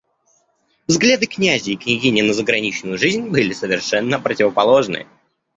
Взгляды князя и княгини на заграничную жизнь были совершенно противоположные.